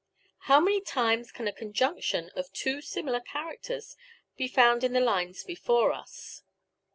How many times can a conjunction of two similar characters be found in the lines before us..>.